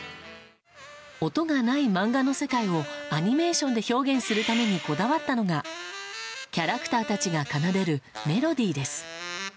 音がない漫画の世界をアニメーションで表現するためにこだわったのがキャラクターたちが奏でるメロディーです。